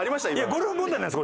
ゴルフ問題なんです